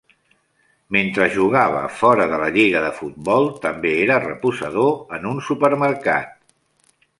Mentre jugava fora de la lliga de futbol, també era reposador en un supermercat.